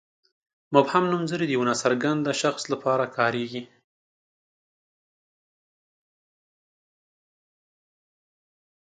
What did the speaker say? مبهم نومځري د یوه ناڅرګند شخص لپاره کاریږي.